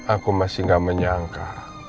aku masih gak menyangka